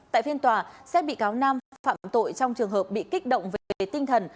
tại phiên tòa xét bị cáo nam phạm tội trong trường hợp bị kích động về tinh thần